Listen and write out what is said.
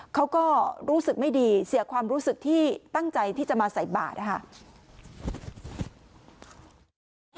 เขาก็รู้สึกไม่ดีเสียความรู้สึกที่ตั้งใจที่จะมาใส่บาทนะคะ